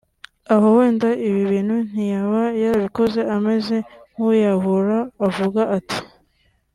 aho wenda ibi bintu ntiyaba yarabikoze ameze nk’ uwiyahura avuga ati